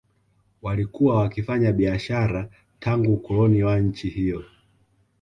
Walikuwa wakifanya biashara tangu ukoloni wa nchi hiyo